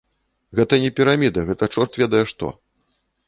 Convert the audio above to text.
Гэта не піраміда, гэта чорт ведае што.